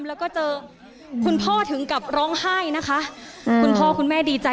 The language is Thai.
แล้วก็เจอคุณพ่อถึงกับร้องไห้นะคะคุณพ่อคุณแม่ดีใจ